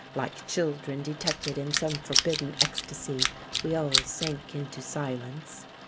Like children detected in some forbidden ecstasy, we all sank into silence.